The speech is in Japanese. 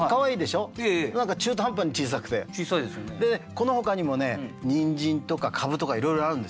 このほかにもねニンジンとかカブとかいろいろあるんですよ。